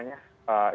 ini harus dikawal